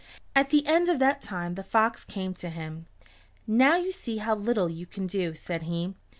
At the end of that time the fox came to him. "Now you see how little you can do," said he.